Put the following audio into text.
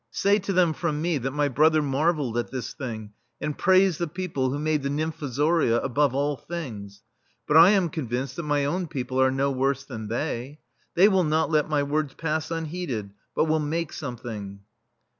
Say to them from me that my brother marvelled at this thing and praised the people who made the nymfozoria above all others ; but I am convinced that my own people are no worse than they. They will not let my words pass unheeded, but will make something."